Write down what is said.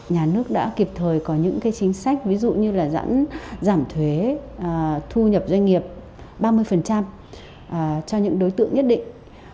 nhà nước đã kịp thời có những chính sách ví dụ như là giãn giảm thuế thu nhập doanh nghiệp ba mươi cho những đối tượng nhất định